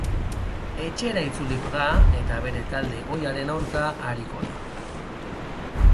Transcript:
Etxera itzuliko da, eta bere talde ohiaren aurka ariko da.